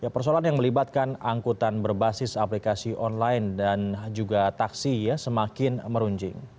persoalan yang melibatkan angkutan berbasis aplikasi online dan juga taksi semakin meruncing